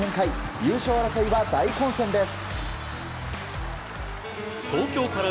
優勝争いは大混戦です。